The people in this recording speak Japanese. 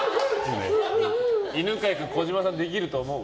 犬飼君、児嶋さんできると思う？